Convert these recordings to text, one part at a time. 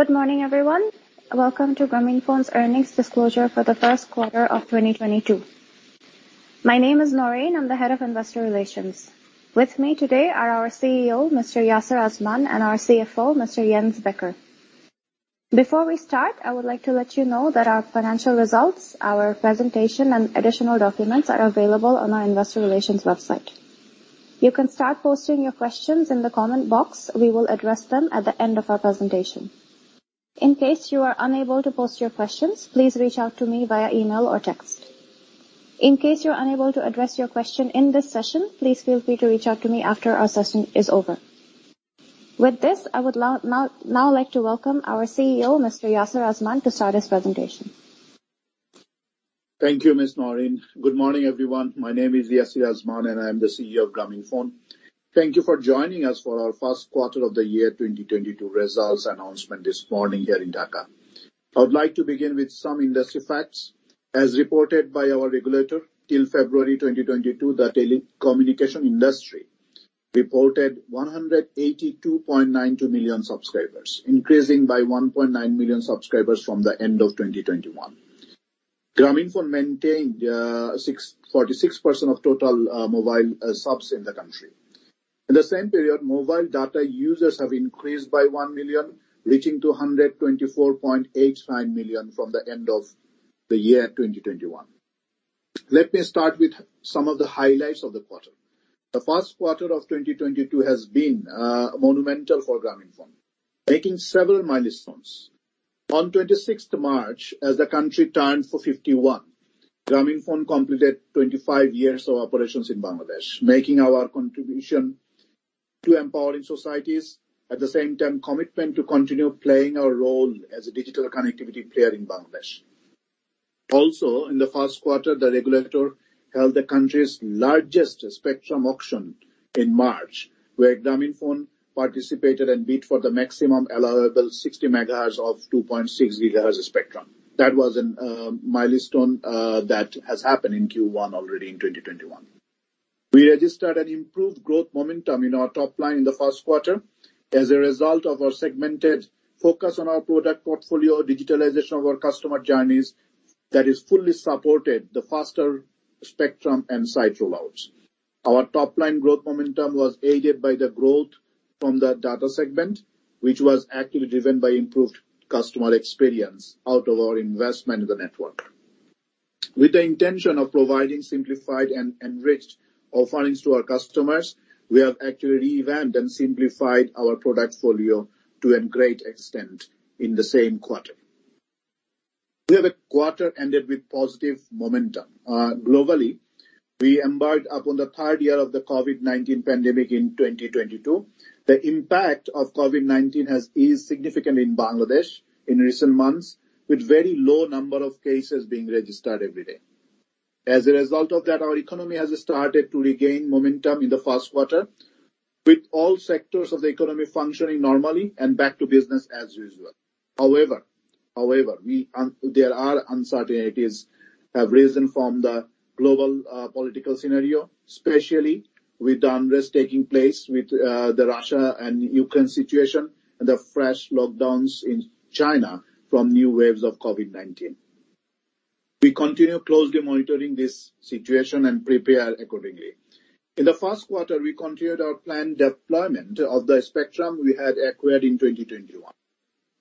Good morning, everyone. Welcome to Grameenphone's Earnings Disclosure for the First Quarter of 2022. My name is Naureen, I'm the Head of Investor Relations. With me today are our CEO, Mr. Yasir Azman, and our CFO, Mr. Jens Becker. Before we start, I would like to let you know that our financial results, our presentation, and additional documents are available on our Investor Relations website. You can start posting your questions in the comment box. We will address them at the end of our presentation. In case you are unable to post your questions, please reach out to me via email or text. In case we are unable to address your question in this session, please feel free to reach out to me after our session is over. With this, I would like to welcome our CEO, Mr. Yasir Azman, to start his presentation. Thank you, Ms. Naureen. Good morning, everyone. My name is Yasir Azman, and I'm the CEO of Grameenphone. Thank you for joining us for our first quarter of 2022 results announcement this morning here in Dhaka. I would like to begin with some industry facts. As reported by our regulator, till February 2022, the telecommunication industry reported 182.92 million subscribers, increasing by 1.9 million subscribers from the end of 2021. Grameenphone maintained 46% of total mobile subs in the country. In the same period, mobile data users have increased by 1 million, reaching 124.89 million from the end of 2021. Let me start with some of the highlights of the quarter. The first quarter of 2022 has been monumental for Grameenphone, making several milestones. On 26th March, as the country turned 51, Grameenphone completed 25 years of operations in Bangladesh, making our contribution to empowering societies, at the same time commitment to continue playing our role as a digital connectivity player in Bangladesh. Also, in the first quarter, the regulator held the country's largest spectrum auction in March, where Grameenphone participated and bid for the maximum allowable 60 MHz of 2.6 GHz spectrum. That was a milestone that has happened in Q1 already in 2021. We registered an improved growth momentum in our top line in the first quarter as a result of our segmented focus on our product portfolio, digitalization of our customer journeys that has fully supported the faster spectrum and site rollouts. Our top-line growth momentum was aided by the growth from the data segment, which was actively driven by improved customer experience out of our investment in the network. With the intention of providing simplified and enriched offerings to our customers, we have actually revamped and simplified our product folio to a great extent in the same quarter. We have a quarter ended with positive momentum. Globally, we embarked upon the third year of the COVID-19 pandemic in 2022. The impact of COVID-19 has eased significantly in Bangladesh in recent months, with very low number of cases being registered every day. As a result of that, our economy has started to regain momentum in the first quarter, with all sectors of the economy functioning normally and back to business as usual. However- however, there are uncertainties have risen from the global political scenario, especially with the unrest taking place with the Russia and Ukraine situation and the fresh lockdowns in China from new waves of COVID-19. We continue closely monitoring this situation and prepare accordingly. In the first quarter, we continued our planned deployment of the spectrum we had acquired in 2021,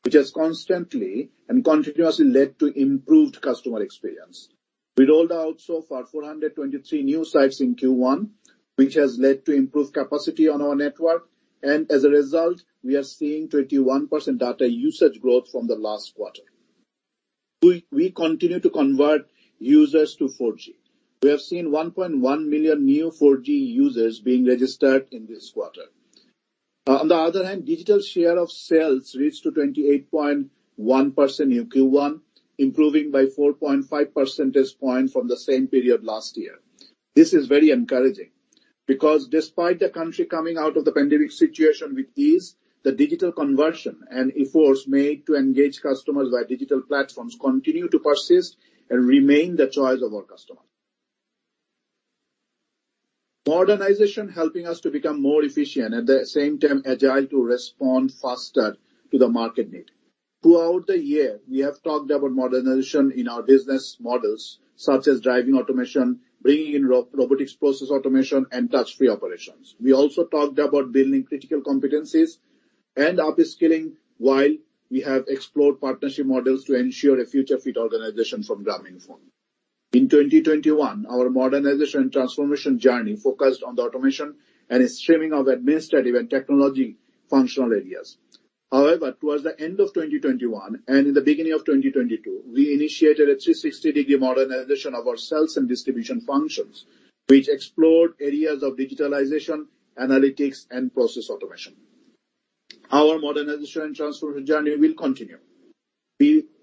which has constantly and continuously led to improved customer experience. We rolled out so far 423 new sites in Q1, which has led to improved capacity on our network, and as a result, we are seeing 21% data usage growth from the last quarter. We continue to convert users to 4G. We have seen 1.1 million new 4G users being registered in this quarter. On the other hand, digital share of sales reached 28.1% in Q1, improving by 4.5 percentage points from the same period last year. This is very encouraging because despite the country coming out of the pandemic situation with ease, the digital conversion and efforts made to engage customers via digital platforms continue to persist and remain the choice of our customer. Modernization helping us to become more efficient, at the same time agile to respond faster to the market need. Throughout the year, we have talked about modernization in our business models such as driving automation, bringing in robotics process automation, and touch-free operations. We also talked about building critical competencies and upskilling while we have explored partnership models to ensure a future-fit organization for Grameenphone. In 2021, our modernization transformation journey focused on the automation and streaming of administrative and technology functional areas. However, towards the end of 2021 and in the beginning of 2022, we initiated a 360-degree modernization of our sales and distribution functions, which explored areas of digitalization, analytics, and process automation. Our modernization transformation journey will continue,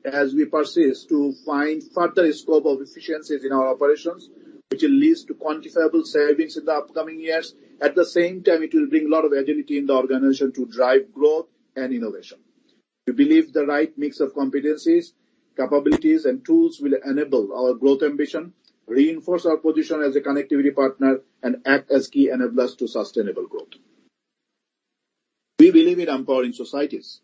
as we persist to find further scope of efficiencies in our operations, which will lead to quantifiable savings in the upcoming years. At the same time, it will bring a lot of agility in the organization to drive growth and innovation. We believe the right mix of competencies, capabilities and tools will enable our growth ambition, reinforce our position as a connectivity partner, and act as key enablers to sustainable growth. We believe in empowering societies.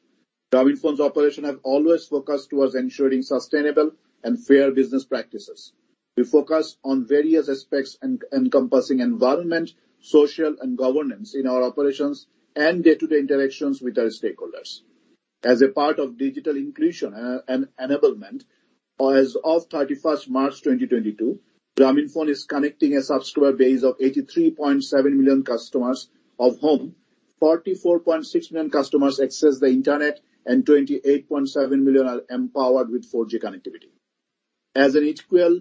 Grameenphone's operations have always focused towards ensuring sustainable and fair business practices. We focus on various aspects encompassing environment, social, and governance in our operations and day-to-day interactions with our stakeholders. As a part of digital inclusion and enablement, as of March 31, 2022, Grameenphone is connecting a subscriber base of 83.7 million customers, of whom 44.6 million customers access the internet, and 28.7 million are empowered with 4G connectivity. As an equal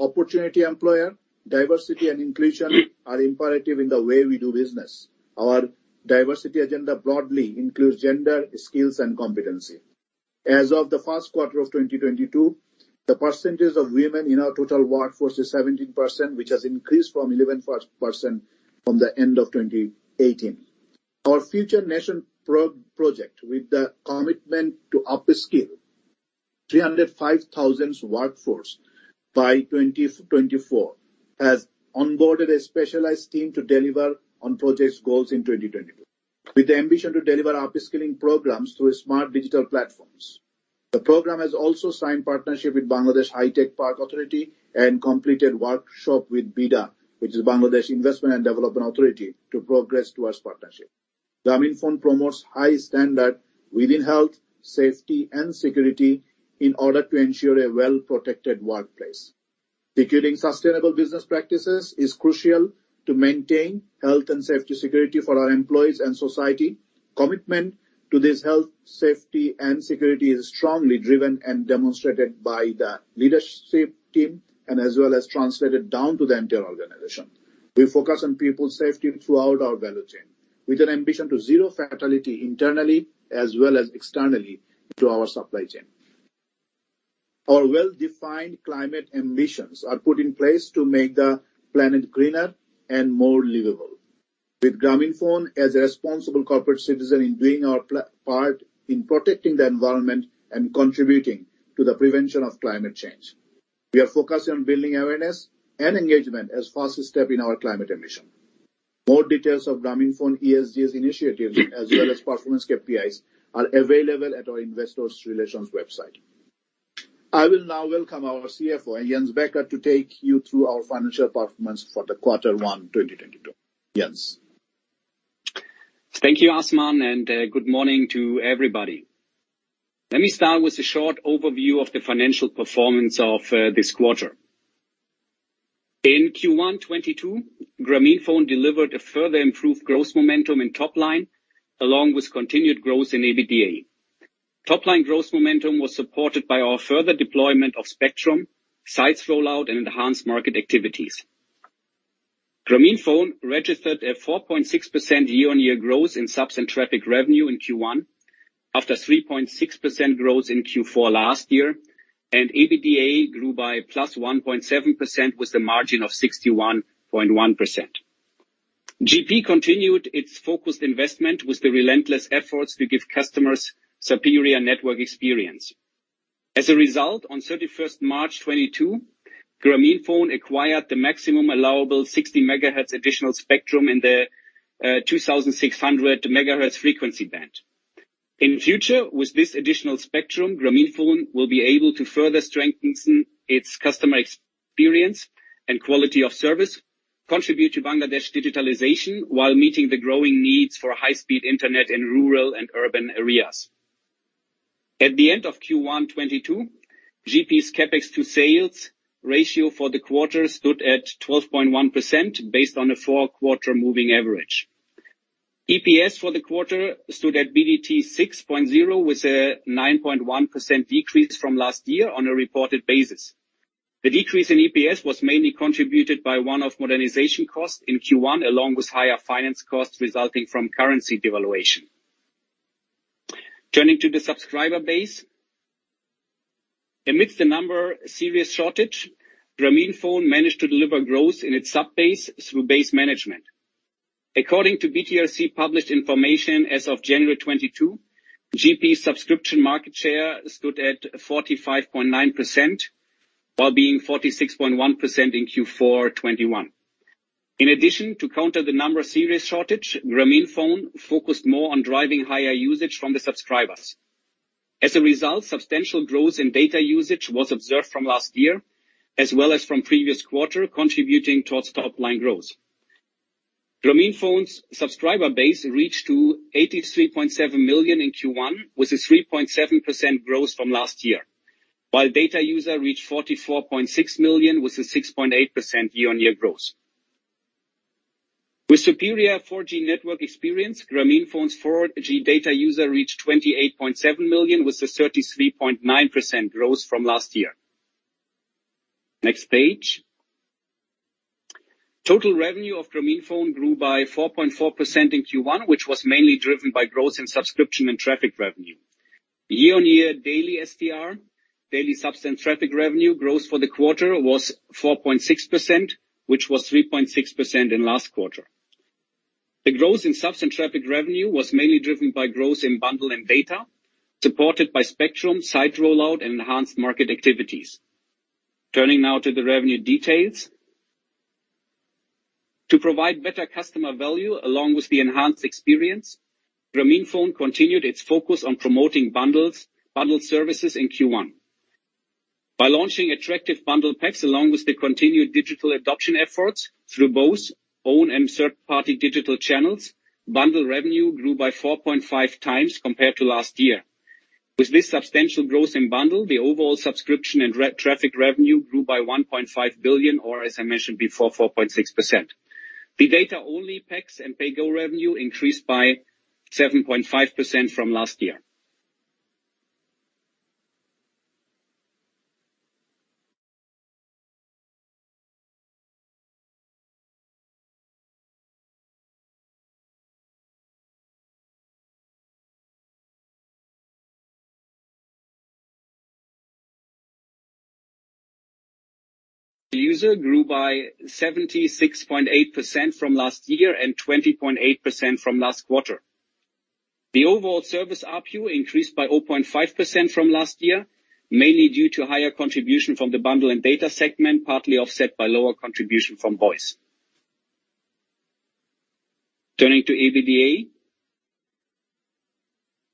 opportunity employer, diversity and inclusion are imperative in the way we do business. Our diversity agenda broadly includes gender, skills, and competency. As of the first quarter of 2022, the percentage of women in our total workforce is 17%, which has increased from 11% from the end of 2018. Our FutureNation program with the commitment to upskill 305,000 workforce by 2024, has onboarded a specialized team to deliver on project's goals in 2022. With the ambition to deliver upskilling programs through smart digital platforms. The program has also signed partnership with Bangladesh Hi-Tech Park Authority and completed workshop with BIDA, which is Bangladesh Investment Development Authority, to progress towards partnership. Grameenphone promotes high standard within health, safety, and security in order to ensure a well-protected workplace. Securing sustainable business practices is crucial to maintain health and safety security for our employees and society. Commitment to this health, safety, and security is strongly driven and demonstrated by the leadership team and as well as translated down to the entire organization. We focus on people's safety throughout our value chain, with an ambition to zero fatality internally as well as externally to our supply chain. Our well-defined climate ambitions are put in place to make the planet greener and more livable. With Grameenphone as a responsible corporate citizen in doing our part in protecting the environment and contributing to the prevention of climate change. We are focused on building awareness and engagement as first step in our climate ambition. More details of Grameenphone's ESG initiatives as well as performance KPIs are available at our Investor Relations website. I will now welcome our CFO, Jens Becker, to take you through our financial performance for Q1 2022. Jens. Thank you Azman, and good morning to everybody. Let me start with a short overview of the financial performance of this quarter. In Q1 2022, Grameenphone delivered a further improved growth momentum in top line, along with continued growth in EBITDA. Top line growth momentum was supported by our further deployment of spectrum, sites rollout, and enhanced market activities. Grameenphone registered a 4.6% year-on-year growth in subs and traffic revenue in Q1, after 3.6% growth in Q4 last year, and EBITDA grew by +1.7% with a margin of 61.1%. GP continued its focused investment with the relentless efforts to give customers superior network experience. As a result, on March 31, 2022, Grameenphone acquired the maximum allowable 60 MHz additional spectrum in the 2,600 MHz frequency band. In future, with this additional spectrum, Grameenphone will be able to further strengthen its customer experience and quality of service, contribute to Bangladesh digitalization while meeting the growing needs for high-speed internet in rural and urban areas. At the end of Q1 2022, GP's CapEx to sales ratio for the quarter stood at 12.1% based on a four-quarter moving average. EPS for the quarter stood at BDT 6.0, with a 9.1% decrease from last year on a reported basis. The decrease in EPS was mainly contributed by one-off modernization costs in Q1, along with higher finance costs resulting from currency devaluation. Turning to the subscriber base. Amidst the number series shortage, Grameenphone managed to deliver growth in its sub base through base management. According to BTRC published information as of January 2022, GP subscription market share stood at 45.9%, while being 46.1% in Q4 2021. In addition, to counter the number series shortage, Grameenphone focused more on driving higher usage from the subscribers. As a result, substantial growth in data usage was observed from last year as well as from previous quarter, contributing towards top line growth. Grameenphone's subscriber base reached to 83.7 million in Q1, with a 3.7% growth from last year. While data user reached 44.6 million, with a 6.8% year-on-year growth. With superior 4G network experience, Grameenphone's 4G data user reached 28.7 million, with a 33.9% growth from last year. Next page. Total revenue of Grameenphone grew by 4.4% in Q1, which was mainly driven by growth in subscription and traffic revenue. Year-on-year daily STR, daily subscription and traffic revenue growth for the quarter was 4.6%, which was 3.6% in last quarter. The growth in subs and traffic revenue was mainly driven by growth in bundle and data, supported by spectrum, site rollout, and enhanced market activities. Turning now to the revenue details. To provide better customer value along with the enhanced experience, Grameenphone continued its focus on promoting bundles, bundled services in Q1. By launching attractive bundle packs along with the continued digital adoption efforts through both own and third-party digital channels, bundle revenue grew by 4.5x compared to last year. With this substantial growth in bundle, the overall subscription and traffic revenue grew by BDT 1.5 billion, or as I mentioned before, 4.6%. The data-only packs and pay go revenue increased by 7.5% from last year. The usage grew by 76.8% from last year and 20.8% from last quarter. The overall service RPU increased by 0.5% from last year, mainly due to higher contribution from the bundle and data segment, partly offset by lower contribution from voice. Turning to EBITDA.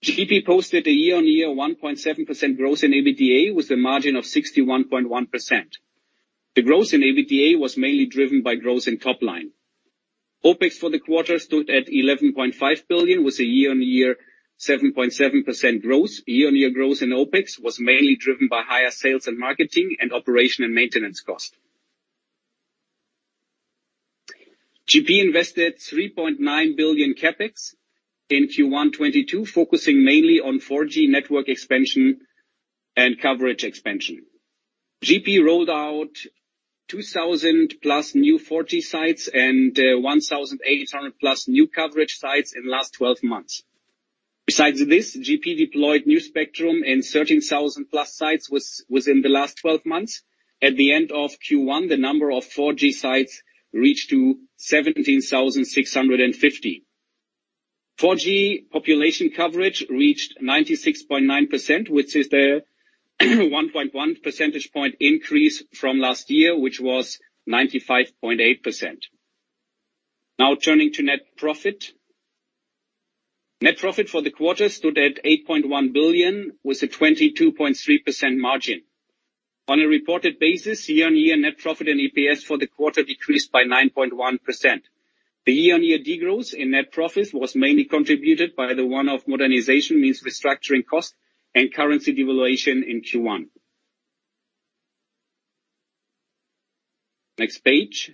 GP posted a year-on-year 1.7% growth in EBITDA, with a margin of 61.1%. The growth in EBITDA was mainly driven by growth in top line. OpEx for the quarter stood at BDT 11.5 billion, with a year-on-year 7.7% growth. Year-on-year growth in OpEx was mainly driven by higher sales and marketing and operation and maintenance cost. GP invested BDT 3.9 billion CapEx in Q1 2022, focusing mainly on 4G network expansion and coverage expansion. GP rolled out 2,000+ new 4G sites and 1800+ new coverage sites in the last 12 months. Besides this, GP deployed new spectrum in 13,000+ sites within the last 12 months. At the end of Q1, the number of 4G sites reached to 17,650. 4G population coverage reached 96.9%, which is the 1.1 percentage point increase from last year, which was 95.8%. Now turning to net profit. Net profit for the quarter stood at BDT 8.1 billion, with a 22.3% margin. On a reported basis, year-on-year net profit and EPS for the quarter decreased by 9.1%. The year-on-year degrowth in net profits was mainly contributed by the one-off modernization and restructuring cost and currency devaluation in Q1. Next page.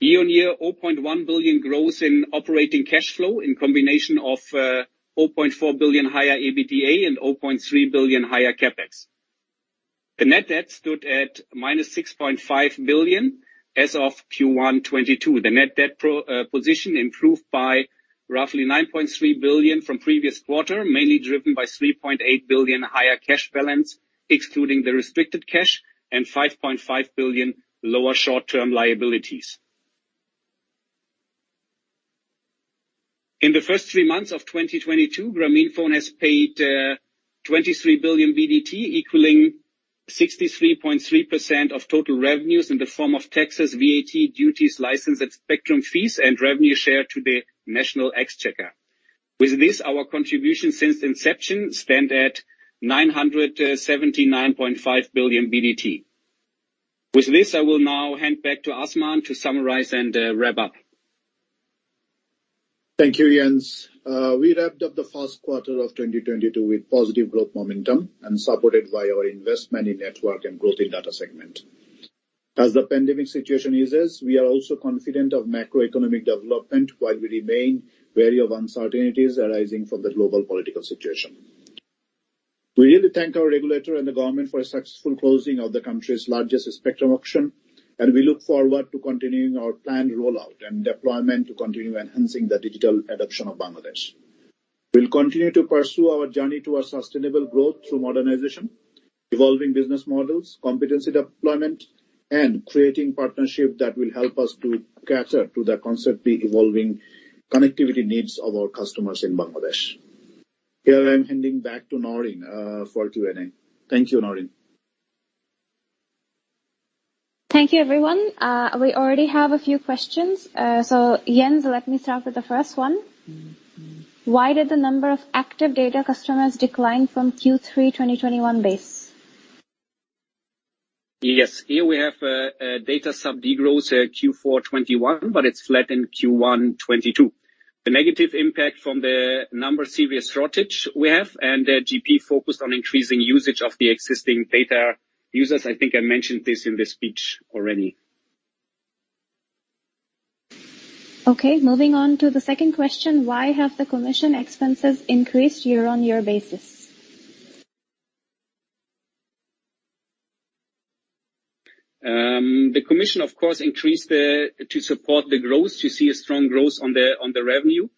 Year-on-year, BDT 0.1 billion growth in operating cash flow in combination of BDT 4.4 billion higher EBITDA and BDT 0.3 billion higher CapEx. The net debt stood at BDT -6.5 billion as of Q1 2022. The net debt position improved by roughly BDT 9.3 billion from previous quarter, mainly driven by BDT 3.8 billion higher cash balance, excluding the restricted cash, and BDT 5.5 billion lower short-term liabilities. In the first three months of 2022, Grameenphone has paid BDT 23 billion, equaling 63.3% of total revenues in the form of taxes, VAT, duties, license and spectrum fees, and revenue share to the National Exchequer. With this, our contribution since inception stand at BDT 979.5 billion. With this, I will now hand back to Yasir Azman to summarize and wrap up. Thank you, Jens. We wrapped up the first quarter of 2022 with positive growth momentum, and supported by our investment in network and growth in data segment. As the pandemic situation eases, we are also confident of macroeconomic development while we remain wary of uncertainties arising from the global political situation. We really thank our regulator and the government for a successful closing of the country's largest spectrum auction, and we look forward to continuing our planned rollout and deployment to continue enhancing the digital adoption of Bangladesh. We'll continue to pursue our journey towards sustainable growth through modernization, evolving business models, competency deployment, and creating partnership that will help us to cater to the constantly evolving connectivity needs of our customers in Bangladesh. Here I'm handing back to Naureen for Q&A. Thank you, Naureen. Thank you, everyone. We already have a few questions. Jens, let me start with the first one. Why did the number of active data customers decline from Q3 2021 base? Yes. Here we have a data sub-degrowth Q4 2021, but it's flat in Q1 2022. The negative impact from the number series shortage we have, and GP focused on increasing usage of the existing data users. I think I mentioned this in the speech already. Okay, moving on to the second question. Why have the commission expenses increased year-on-year basis? The commission of course increased to support the growth. You see a strong growth on the revenue.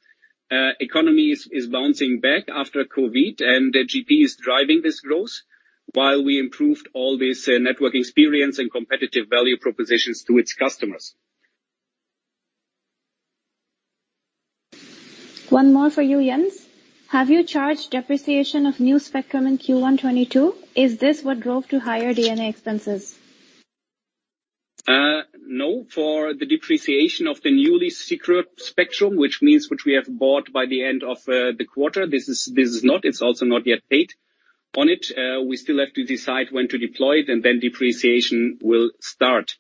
Economy is bouncing back after COVID, and GP is driving this growth while we improved all this network experience and competitive value propositions to its customers. One more for you, Jens. Have you charged depreciation of new spectrum in Q1 2022? Is this what drove to higher D&A expenses? No. For the depreciation of the newly secured spectrum, which we have bought by the end of the quarter, this is not. It's also not yet paid on it- we still have to decide when to deploy it and then depreciation will start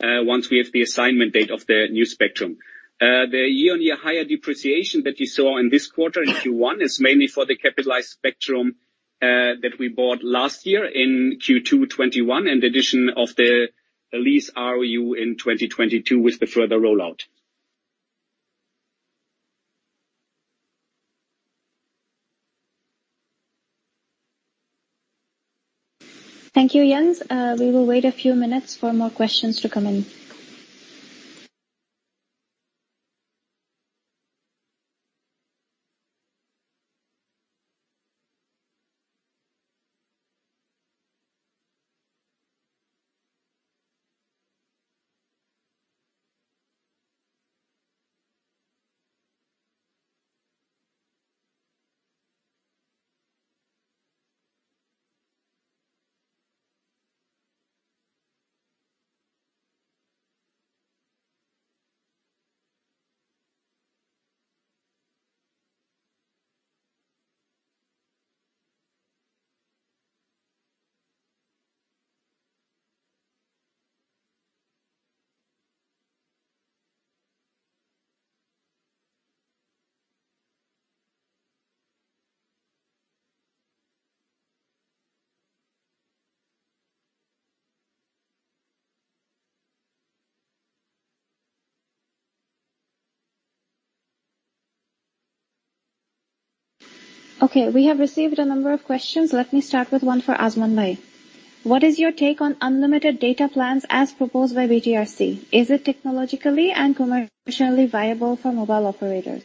once we have the assignment date of the new spectrum. The yearly higher depreciation that you saw in this quarter in Q1 is mainly for the capitalized spectrum that we bought last year in Q2 2021, and addition of the lease ROU in 2022 with the further rollout. Thank you, Jens. We will wait a few minutes for more questions to come in. Okay, we have received a number of questions. Let me start with one for Azman Bhai. What is your take on unlimited data plans as proposed by BTRC? Is it technologically and commercially viable for mobile operators?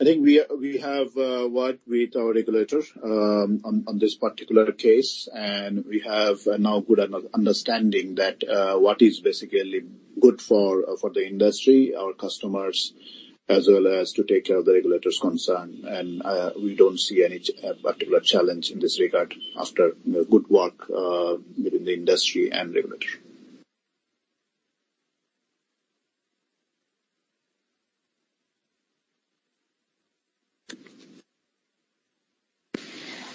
I think we have worked with our regulator on this particular case, and we have now good understanding that what is basically good for the industry, our customers, as well as to take care of the regulator's concern. We don't see any particular challenge in this regard after you know good work within the industry and regulator.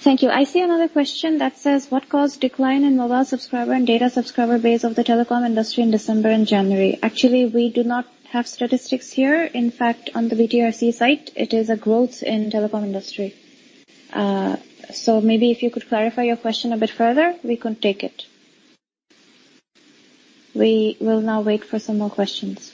Thank you. I see another question that says, what caused decline in mobile subscriber and data subscriber base of the telecom industry in December and January? Actually, we do not have statistics here. In fact, on the BTRC site, it is a growth in telecom industry. So maybe if you could clarify your question a bit further, we could take it. We will now wait for some more questions.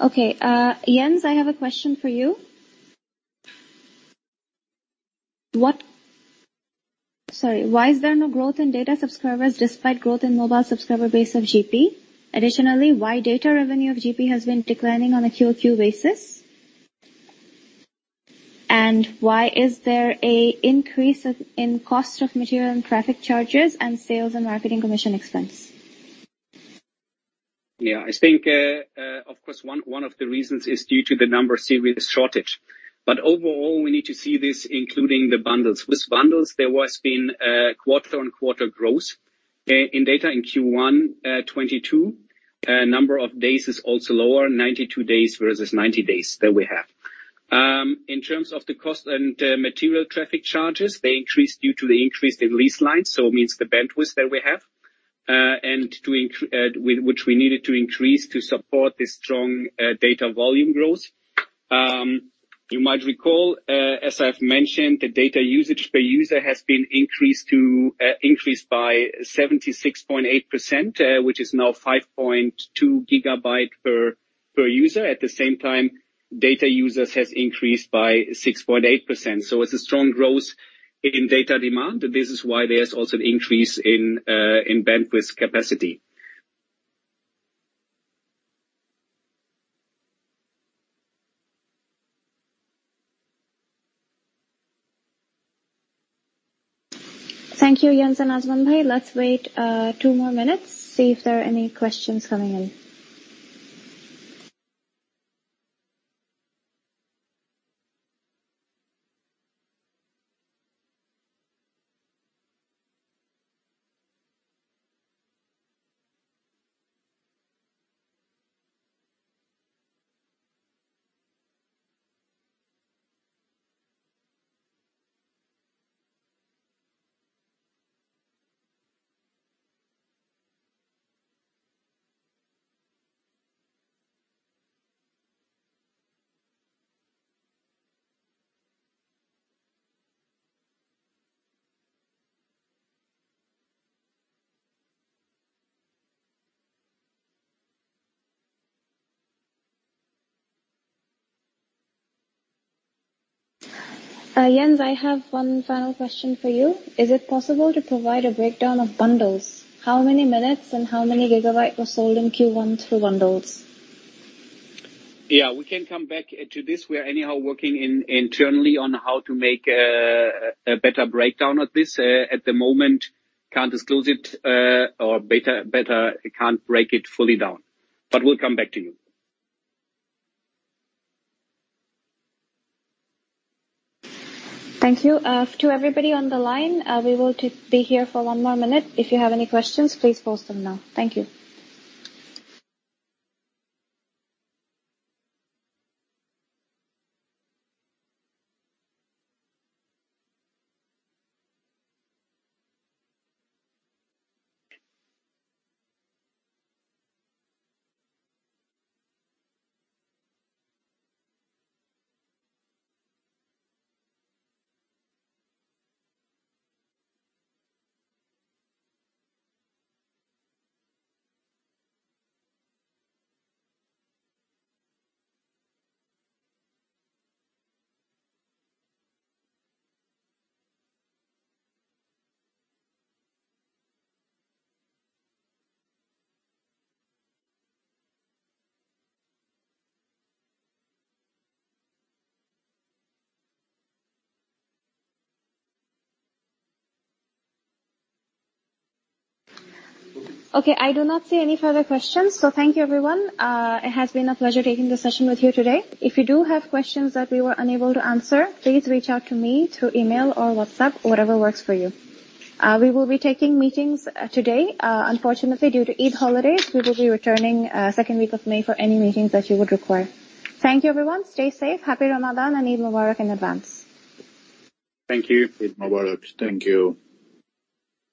Okay. Jens, I have a question for you. Why is there no growth in data subscribers despite growth in mobile subscriber base of GP? Additionally, why data revenue of GP has been declining on a QoQ basis? And why is there an increase in cost of material and traffic charges and sales and marketing commission expense? Yeah. I think, of course one of the reasons is due to the number series shortage. Overall, we need to see this including the bundles. With bundles there was been quarter-on-quarter growth. In data in Q1 2022, number of days is also lower, 92 days versus 90 days that we have. In terms of the cost and material traffic charges, they increased due to the increase in lease lines, so means the bandwidth that we have- which we needed to increase to support the strong data volume growth. You might recall, as I've mentioned, the data usage per user has been increased by 76.8%, which is now 5.2 GB per user. At the same time, data users has increased by 6.8%. It's a strong growth in data demand. This is why there's also an increase in bandwidth capacity. Thank you, Jens and Azman Bhai. Let's wait two more minutes, see if there are any questions coming in. Jens, I have one final question for you. Is it possible to provide a breakdown of bundles? How many minutes and how many gigabyte were sold in Q1 through bundles? Yeah, we can come back to this. We are anyhow working internally on how to make a better breakdown of this. At the moment can't disclose it, or better, can't break it fully down. We'll come back to you. Thank you. To everybody on the line, we will be here for one more minute. If you have any questions, please post them now. Thank you. Okay, I do not see any further questions, so thank you, everyone. It has been a pleasure taking this session with you today. If you do have questions that we were unable to answer, please reach out to me through email or WhatsApp, whatever works for you. We will be taking meetings today. Unfortunately due to Eid holidays, we will be returning second week of May for any meetings that you would require. Thank you, everyone, stay safe. Happy Ramadan and Eid Mubarak in advance. Thank you. Eid Mubarak. Thank you.